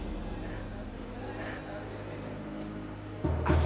dia berani mempermainkan anaknya